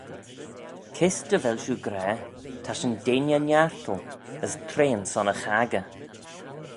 Kys dy vel shiu gra, Ta shin deiney niartal, as trean son y chaggey?